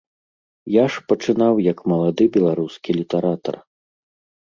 Я ж пачынаў, як малады беларускі літаратар.